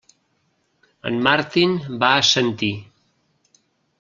En Martin va assentir.